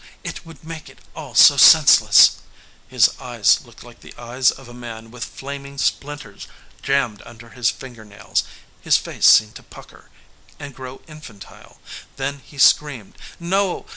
It would make it all so senseless!" His eyes looked like the eyes of a man with flaming splinters jammed under his fingernails. His face seemed to pucker, and grow infantile. Then he screamed: "No!